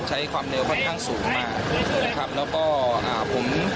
ใช้ความเร็วค่อนข้างสูงมากนะครับแล้วก็อ่าผม